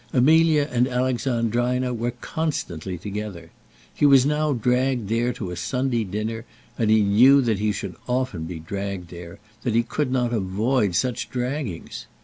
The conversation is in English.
Amelia and Alexandrina were constantly together. He was now dragged there to a Sunday dinner; and he knew that he should often be dragged there, that he could not avoid such draggings.